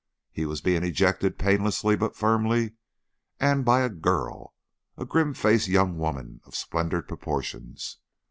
He was being ejected painlessly but firmly, and by a girl a grim faced young woman of splendid proportions.